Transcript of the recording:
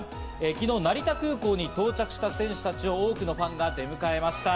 昨日、成田空港に到着した選手たちを多くのファンが出迎えました。